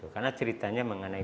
karena ceritanya mengenai panci